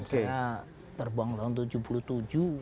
saya terbang tahun tujuh puluh tujuh